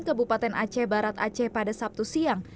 kebupaten aceh barat aceh pada sabtu siang